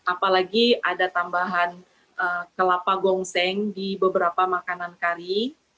apalagi ada tambahan kelapa gongseng di beberapa makanan kari